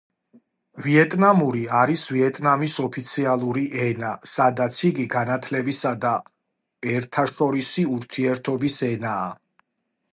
ვიეტნამური არის ვიეტნამის ოფიციალური ენა, სადაც იგი განათლებისა და ერთაშორისი ურთიერთობის ენაა.